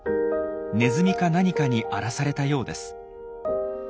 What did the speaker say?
ネズミか何かに荒らされたようです。